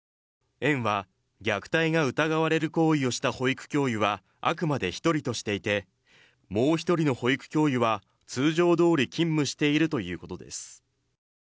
園は、虐待が疑われる行為をした保育教諭はあくまで１人としていてもう一人の保育教諭は通常どおり勤務しているということです。